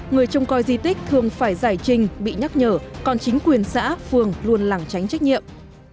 người trông coi di tích thường phải giải trình bị nhắc nhở còn chính quyền xã phường luôn lẳng tránh trách nhiệm